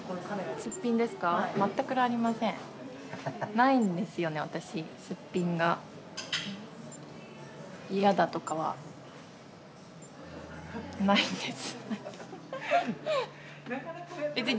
ないんですよね、私スッピンが嫌だとかはないんです。